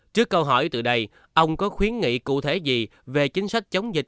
trước câu hỏi từ đây ông có khuyến nghị cụ thể gì về chính sách chống dịch